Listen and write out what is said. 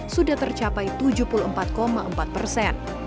sudah tercapai tujuh puluh empat empat persen